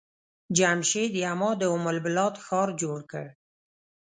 جمشيد يما د ام البلاد ښار جوړ کړ.